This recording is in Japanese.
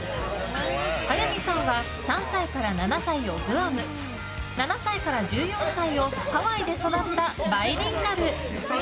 早見さんは３歳から７歳をグアム７歳から１４歳をハワイで育ったバイリンガル。